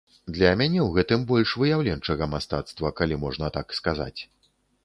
Для мяне у гэтым больш выяўленчага мастацтва, калі можна так сказаць.